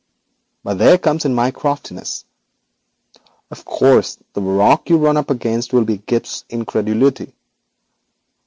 But there comes in my craftiness. Of course, the rock you run up against will be Gibbes's incredulity.